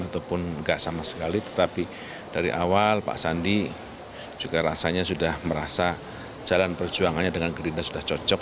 ataupun enggak sama sekali tetapi dari awal pak sandi juga rasanya sudah merasa jalan perjuangannya dengan gerindra sudah cocok